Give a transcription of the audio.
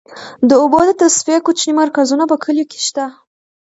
د اوبو د تصفیې کوچني مرکزونه په کليو کې شته.